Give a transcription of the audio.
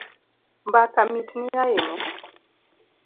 Mbaka mitni ahinya